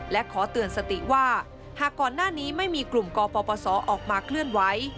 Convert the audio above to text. และขอเตือนสติว่าหากก่อนหน้านี้ไม่มีกลุ่มกปศออกมาเคลื่อนไหว